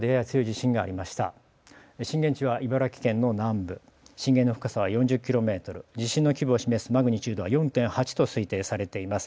震源地は茨城県の南部震源の深さは４０ｋｍ地震の規模を示すマグニチュードは４．８と推定されています。